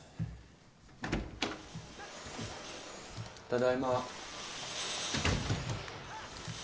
ただいま。